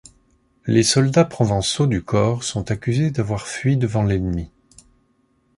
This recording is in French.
Les soldats provençaux du Corps sont accusés d'avoir fui devant l'ennemi.